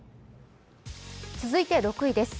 続いて６位です。